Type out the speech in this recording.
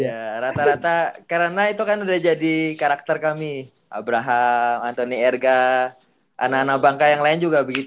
iya rata rata karena itu kan udah jadi karakter kami abraham anthony erga anak anak bangka yang lain juga begitu